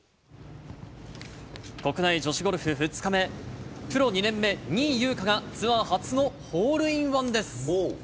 国内女子ゴルフ２日目、プロ２年目、仁井優花がツアー初のホールインワンです。